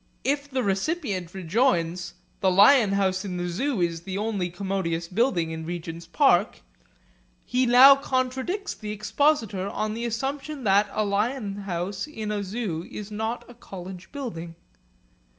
If the recipient rejoins, 'The lion house in the Zoo is the only commodious building in Regent's Park,' he now contradicts the expositor, on the assumption that a lion house in a Zoo is not a college building.